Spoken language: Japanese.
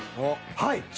はい。